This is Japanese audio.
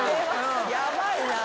ヤバいな。